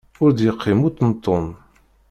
Ur d-yeqqim uṭenṭun!